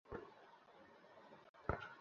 আরে, mad dog আছে এই কাজের জন্য!